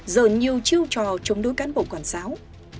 dồn nhiều chiêu trò chống đối cán bộ quản giáo